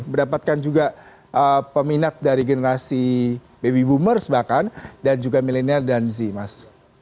mendapatkan juga peminat dari generasi baby boomers bahkan dan juga milenial dan z mas